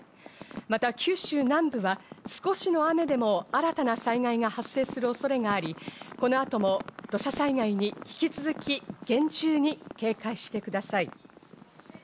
また九州南部は少しの雨でも新たな災害が発生する恐れがあり、この後も土砂災害に引き続き、厳重に警戒してください。